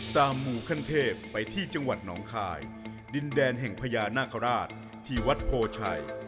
หมู่ขั้นเทพไปที่จังหวัดหนองคายดินแดนแห่งพญานาคาราชที่วัดโพชัย